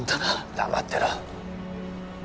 黙ってろ